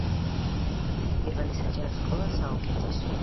ზუგდიდის ნომერ პირველი საჯარო სკოლა საუკეთესოა